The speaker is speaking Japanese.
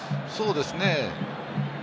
そうですね。